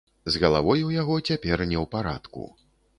З галавой у яго цяпер не ў парадку.